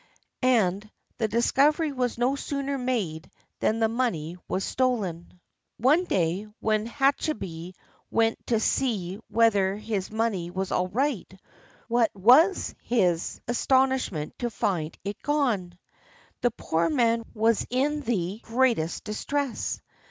And the discovery was no sooner made than the money was stolen. One day, when Hachibei went to see whether his money was all right, what was his astonishment to find it gone! The poor man was in the greatest distress.